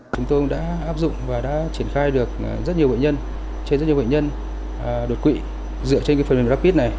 chúng tôi cũng đã áp dụng và đã triển khai được rất nhiều bệnh nhân trên rất nhiều bệnh nhân đột quỵ dựa trên phần mềm rapid này